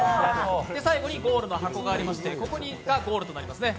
最後にゴールの箱がありましてここがゴールとなりますね。